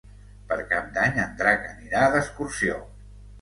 Per Cap d'Any en Drac anirà d'excursió.